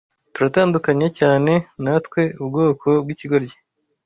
Turatandukanye cyane natwe ubwoko bwikigoryi,